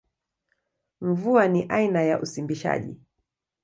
Mvua ni aina ya usimbishaji.